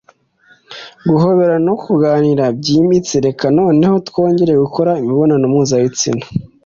guhoberana no kuganira byimbitse reka noneho twongere gukora imibonano mpuzabitsina